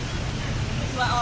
yang para satu